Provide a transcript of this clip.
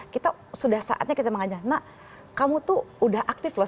kita sudah saatnya kita mengajar nak kamu tuh udah aktif loh